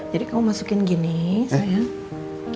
jadi kamu masukin gini sayang